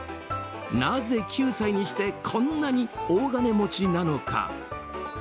なぜ、９歳にしてこんなに大金持ちなのか。